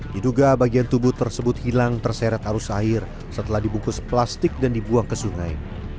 diduga bagian tubuh tersebut hilang terseret arus air setelah dibungkus plastik dan dibuang ke sungai